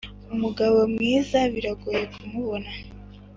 umugabo mwiza biragoye kumubona